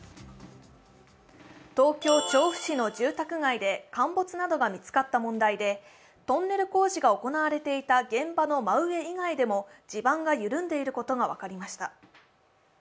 東京・調布市の住宅街で陥没などが見つかった問題でトンネル工事が行われていた現場の真上以外でも地盤が緩んでいることが分かりました。